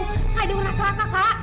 kak aido enggak kelihatan kak